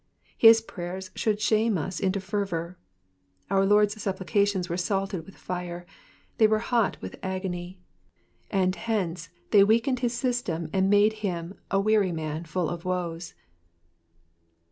His prayers should shame us into fervour. Our Lord's ' supplications were salted with fire, they were hot with agony ; and hence they weakened his system, and made him a weary man and full of woes."